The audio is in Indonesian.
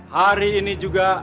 hari ini juga